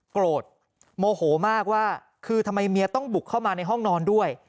โกรธโมโหมากว่าคือทำไมเมียต้องบุกเข้ามาในห้องนอนด้วย